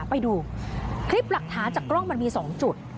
ไปดูคลิปหลักฐานจากกล้องมันมี๒จุด